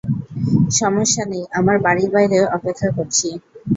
সমস্যা নেই, আমার বাড়ির বাইরে অপেক্ষা করছি।